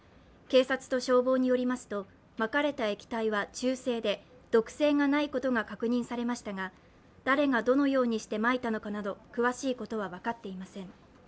警察と消防によりますとまかれた液体は中性で、毒性がないことが確認されましたが、誰がどのようにしてまいたのかなど詳しいことは分かっていません。